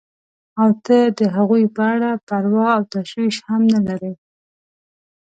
او ته د هغوی په اړه پروا او تشویش هم نه لرې.